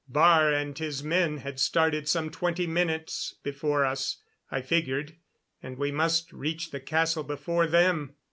Baar and his men had started some twenty minutes before us, I figured, and we must reach the castle before them.